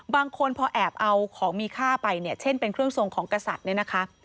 บางคนพอแอบเอาของมีค่าไปเนี่ยเช่นเป็นเครื่องทรงของกษัตริย์เนี่ยนะคะ